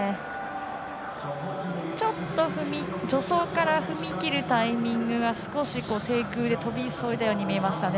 ちょっと助走から踏み切るタイミングが少し低空で跳び急いだように見えましたね。